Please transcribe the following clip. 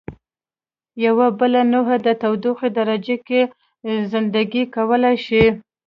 یوه بله نوعه د تودوخې درجې کې زنده ګي کولای شي.